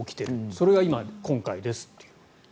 それが今、今回ですっていう。